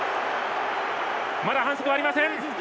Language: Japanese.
まだ反則はありません。